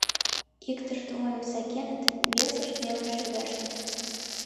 Иктышт вуйым сакеныт, весышт нелын шӱлештыт.